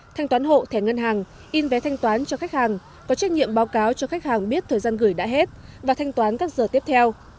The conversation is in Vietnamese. thanh toán hộ thẻ ngân hàng in vé thanh toán cho khách hàng có trách nhiệm báo cáo cho khách hàng biết thời gian gửi đã hết và thanh toán các giờ tiếp theo